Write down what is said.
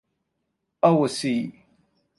Our Sea.